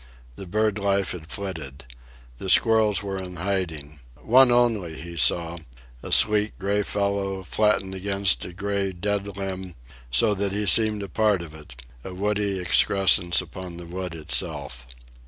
The bird life had flitted. The squirrels were in hiding. One only he saw,—a sleek gray fellow, flattened against a gray dead limb so that he seemed a part of it, a woody excrescence upon the wood itself.